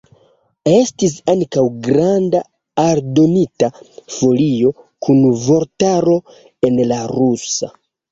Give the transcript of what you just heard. Estis ankaŭ granda aldonita folio kun vortaro en la rusa.